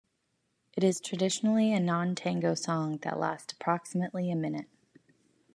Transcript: It is traditionally a non-tango song that lasts approximately a minute.